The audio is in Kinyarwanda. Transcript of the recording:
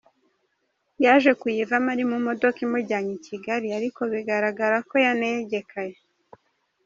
Yaje kuyivamo ari mu modoka imujyanye i Kigali ariko bigaragara ko yanegekaye.